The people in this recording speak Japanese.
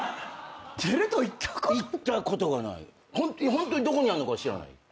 ホントにどこにあんのか知らない。